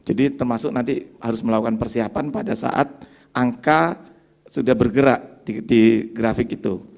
jadi termasuk nanti harus melakukan persiapan pada saat angka sudah bergerak di grafik itu